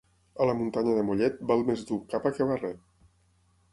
A la muntanya de Mollet, val més dur capa que barret.